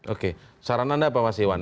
oke saran anda apa mas iwan